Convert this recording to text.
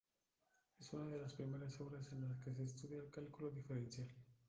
Es una de las primeras obras en las que se estudia el cálculo diferencial.